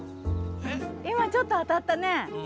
いまちょっと当たったね。